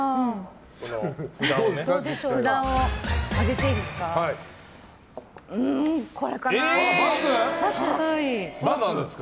札を上げていいですか。